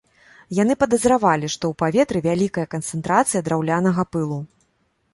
Яны падазравалі, што ў паветры вялікая канцэнтрацыя драўлянага пылу.